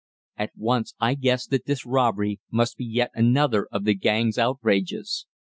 At once I guessed that this robbery must be yet another of the gang's outrages.